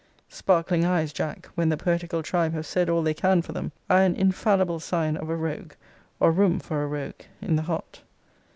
Sparkling eyes, Jack, when the poetical tribe have said all they can for them, are an infallible sign of a rogue, or room for a rogue, in the heart.